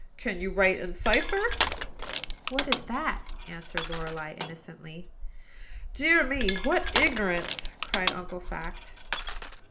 "Can you write and cipher?" "What is that?" asked Lorelei innocently. "Dear me! what ignorance!" cried Uncle Fact.